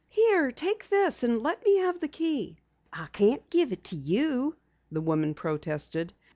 "Here, take this, and let me have the key." "I can't give it to you," the woman protested.